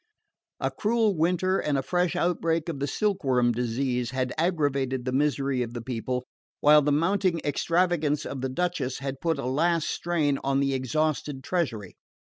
A cruel winter and a fresh outbreak of the silkworm disease had aggravated the misery of the people, while the mounting extravagance of the Duchess had put a last strain on the exhausted treasury.